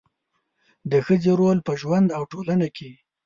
د ښځې رول په ژوند او ټولنه کې